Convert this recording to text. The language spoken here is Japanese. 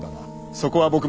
そこは僕も。